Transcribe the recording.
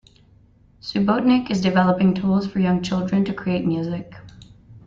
Subotnick is developing tools for young children to create music.